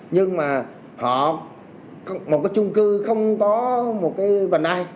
nhưng mà họ một cái chung cư không có một cái vành đai